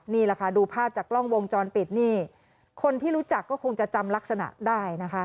นี่แหละค่ะดูภาพจากกล้องวงจรปิดนี่คนที่รู้จักก็คงจะจำลักษณะได้นะคะ